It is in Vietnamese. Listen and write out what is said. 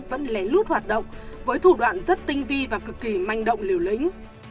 vẫn lén lút hoạt động với thủ đoạn rất tinh vi và cực kỳ manh động liều lĩnh